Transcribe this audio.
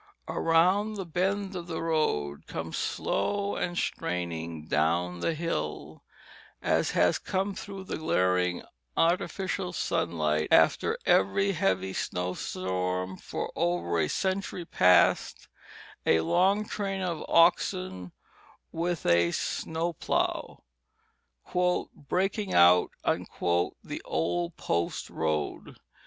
Around the bend of the road comes slow and straining down the hill, as has come through the glaring artificial sunlight after every heavy snowstorm for over a century past, a long train of oxen with a snow plough "breaking out" the old post road.